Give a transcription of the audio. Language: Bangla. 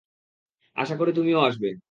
আশাকরি তুমিও আসবে?